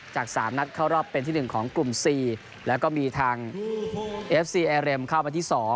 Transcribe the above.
จาก๓นัดเข้ารอบเป็นที่๑ของกลุ่ม๔แล้วก็มีทางเอฟซีเอเรมเข้ามาที่๒